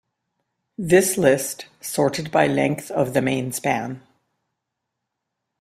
This list sorted by length of the main span.